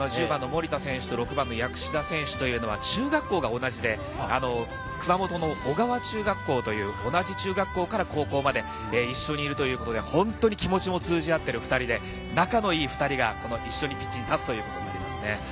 １０番の森田選手と６番の薬師田選手というのは中学校が同じで、熊本の小川中学校という同じ中学校から高校まで一緒にいるということで本当に気持ちも通じ合っている２人で、仲の良い２人が一緒にピッチに立つということになります。